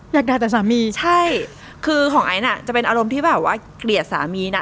อยากด่าแต่สามีใช่คือของไอซ์จะเป็นอารมณ์ที่แบบว่าเกลียดสามีนะ